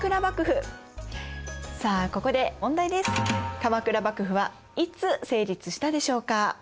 鎌倉幕府はいつ成立したでしょうか？